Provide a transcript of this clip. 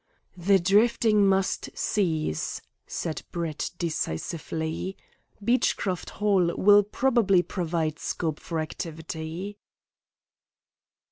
"The drifting must cease," said Brett decisively. "Beechcroft Hall will probably provide scope for activity."